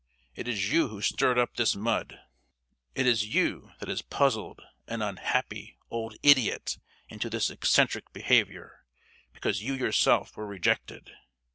It is you who stirred up this mud! It is you that puzzled an unhappy old idiot into this eccentric behaviour, because you yourself were rejected!